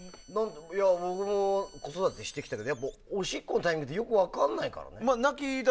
僕も子育てしてきたけどおしっこのタイミングってよく分からないから。